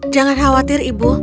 jangan khawatir ibu